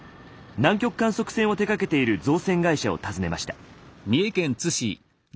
南極観測船を手がけている造船会社を訪ねました。